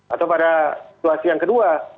atau pada situasi yang kedua